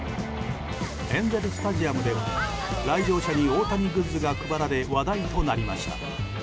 エンゼル・スタジアムでは来場者に大谷グッズが配られ話題となりました。